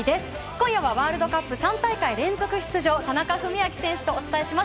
今夜はワールドカップ３大会連続出場の田中史朗選手とお伝えします。